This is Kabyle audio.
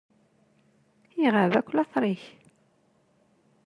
Iɣab akk later-ik.